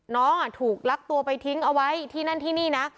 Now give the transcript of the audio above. น้องถูกลักตัวไปทิ้งเอาไว้ที่นั่นที่นี่นะ